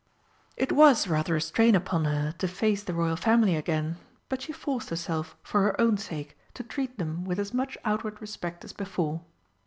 It was rather a strain upon her to face the Royal Family again, but she forced herself, for her own sake, to treat them with as much outward respect as before.